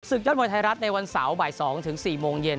ยอดมวยไทยรัฐในวันเสาร์บ่าย๒ถึง๔โมงเย็น